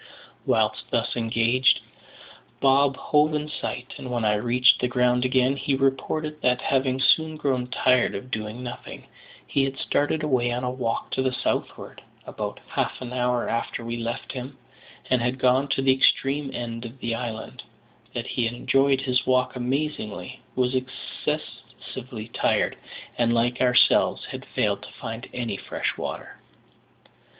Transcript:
Whilst thus engaged, Bob hove in sight, and when I reached the ground again he reported that, having soon grown tired of doing nothing, he had started away on a walk to the southward, about half an hour after we left him, and had gone to the extreme end of the island; that he had enjoyed his walk amazingly, was excessively tired, and, like ourselves, had failed to find any fresh water.